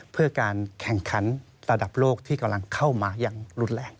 เพื่อการแข่งขันระดับโลกที่กำลังเข้ามาอย่างรุนแรง